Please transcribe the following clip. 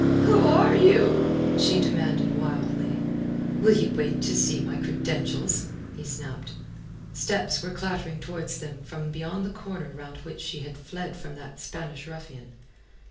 "Who are you?" she demanded wildly. "Will ye wait to see my credentials?" he snapped. Steps were clattering towards them from beyond the corner round which she had fled from that Spanish ruffian.